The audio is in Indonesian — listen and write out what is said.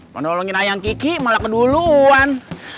menolongin ayang kiki malah keduluan